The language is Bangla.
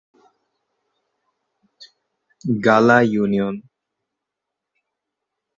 গালা ইউনিয়ন